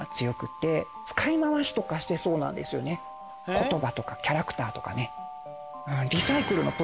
言葉とかキャラクターとかね。